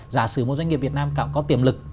giả sử một doanh nghiệp việt nam càng có tiềm lực